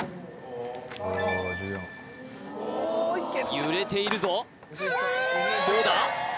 揺れているぞどうだ？